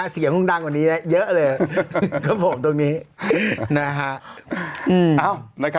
เสียงคงดังกว่านี้เยอะเลยครับผมตรงนี้นะฮะ